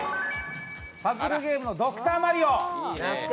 パズルゲームの「ドクターマリオ」。